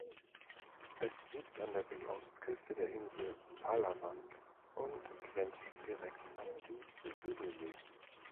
Es liegt an der Südostküste der Insel Palawan und grenzt direkt an die Sulusee.